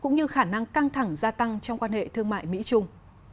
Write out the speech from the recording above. giảm gia tăng trong quan hệ thương mại mỹ trung